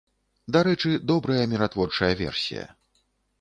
Дарэчы, добрая міратворчая версія.